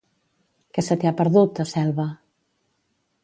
Què se t'hi ha perdut, a Selva?